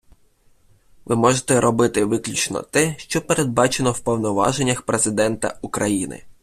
Ви можете робити виключно те, що передбачено в повноваженнях Президента України.